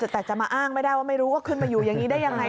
แต่จะมาอ้างไม่ได้ว่าไม่รู้ว่าขึ้นมาอยู่อย่างนี้ได้ยังไง